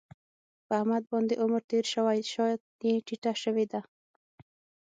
په احمد باندې عمر تېر شوی شا یې ټیټه شوې ده.